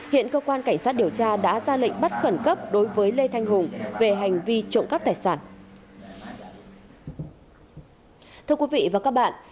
hiện cơ quan cảnh sát điều tra đã ra lệnh bắt khẩn cấp đối với lê thanh hùng về hành vi trộm cắp tài sản